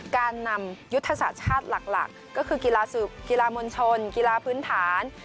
การนำยุทธศาสตร์ชาติหลักก็คือกีฬากีฬามวลชนกีฬาพื้นฐาน